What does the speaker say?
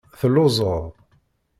Telluẓeḍ.